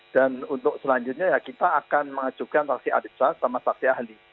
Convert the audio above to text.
dan untuk selanjutnya ya kita akan mengajukan saksi adik sahas sama saksi ahli